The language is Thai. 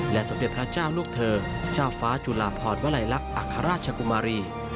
สมเด็จพระเจ้าลูกเธอเจ้าฟ้าจุลาพรวลัยลักษณ์อัครราชกุมารี